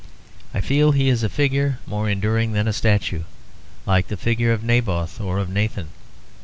I feel he is a figure more enduring than a statue, like the figure of Naboth or of Nathan.